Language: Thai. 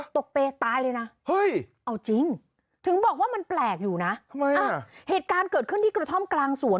เปรย์ตายเลยนะเฮ้ยเอาจริงถึงบอกว่ามันแปลกอยู่นะทำไมอ่ะเหตุการณ์เกิดขึ้นที่กระท่อมกลางสวน